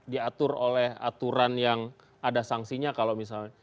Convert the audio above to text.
diatur oleh aturan yang ada sanksinya kalau misalnya